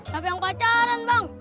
siapa yang pacaran bang